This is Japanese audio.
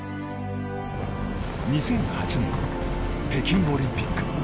２００８年、北京オリンピック。